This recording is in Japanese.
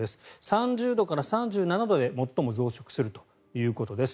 ３０度から３７度で最も増殖するということです。